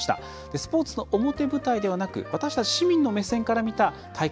スポーツの表舞台ではなく私たち市民の目線から見た大会